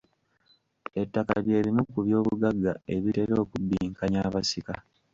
Ettaka bye bimu ku by’obugagga ebitera okubbinkanya abasika.